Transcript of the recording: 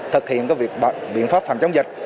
thực hiện các biện pháp phạm chống dịch